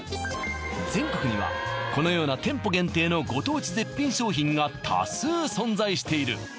全国にはこのような店舗限定のご当地絶品商品が多数存在している